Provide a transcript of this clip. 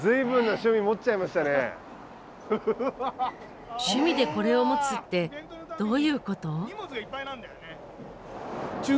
趣味でこれを持つってどういうこと？